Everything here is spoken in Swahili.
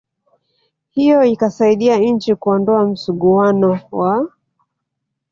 hiyo ikasaidia nchi kuondoa msuguano wa